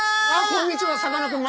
こんにちはさかなクン